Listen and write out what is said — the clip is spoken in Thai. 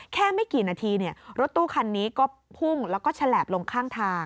ไม่กี่นาทีรถตู้คันนี้ก็พุ่งแล้วก็ฉลาบลงข้างทาง